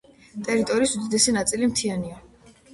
ტერიტორიის უდიდესი ნაწილი მთიანია.